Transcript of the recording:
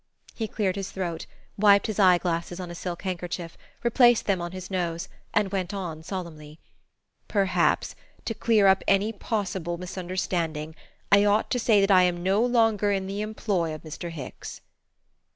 He cleared his throat, wiped his eyeglasses on a silk handkerchief, replaced them on his nose, and went on solemnly: "Perhaps, to clear up any possible misunderstanding, I ought to say that I am no longer in the employ of Mr. Hicks."